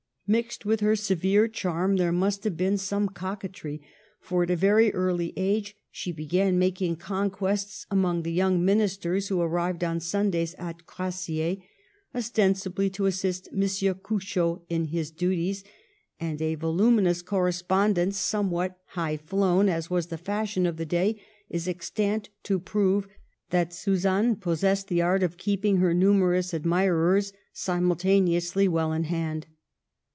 Mixed with her severe charm there must have been some coquetry, for at a very early age she began making conquests among the young min isters who arrived on Sundays at Crassier, osten sibly to assist M. Curchod in his duties ; and a voluminous correspondence, somewhat high flown, as was the fashion of the day, is extant, to prove that Suzanne possessed the art of keeping her numerous admirers simultaneously well in hand.